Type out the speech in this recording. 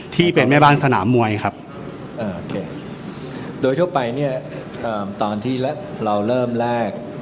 ที่เป็นแม่บ้านสนามมวยครับโดยทั่วไปเนี่ยตอนที่เราเริ่มแรก